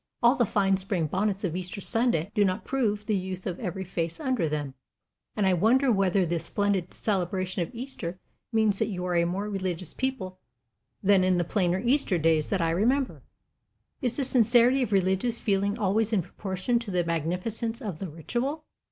"All the fine spring bonnets of Easter Sunday do not prove the youth of every face under them, and I wonder whether this splendid celebration of Easter means that you are a more religious people than in the plainer Easter days that I remember. Is the sincerity of religious feeling always in proportion to the magnificence of the ritual?